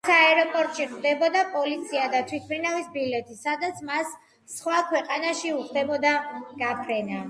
მას აეროპორტში ხვდებოდა პოლიცია და თვითმფრინავის ბილეთი, სადაც მას სხვა ქვეყანაში უხდებოდა გაფრენა.